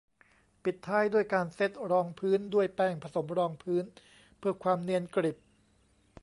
ปิดท้ายด้วยการเซตรองพื้นด้วยแป้งผสมรองพื้นเพื่อความเนียนกริบ